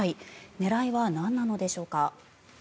狙いはなんなのでしょうか。